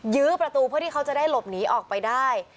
ื้อประตูเพื่อที่เขาจะได้หลบหนีออกไปได้